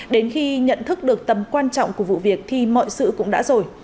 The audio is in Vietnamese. đến khi nhận thức được tầm quan trọng của vụ việc thì mọi sự cũng đã rồi